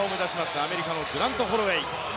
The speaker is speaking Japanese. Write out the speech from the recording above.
アメリカのグラント・ホロウェイ。